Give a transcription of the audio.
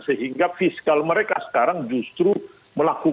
sehingga fiskal mereka sekarang justru melakukan